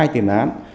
hai tiền án